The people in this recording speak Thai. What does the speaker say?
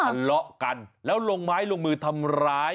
ทะเลาะกันแล้วลงไม้ลงมือทำร้าย